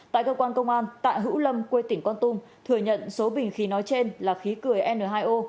tại cơ quan công an tại hữu lâm quê tỉnh quang tung thừa nhận số bình khí nói trên là khí cưỡi n hai o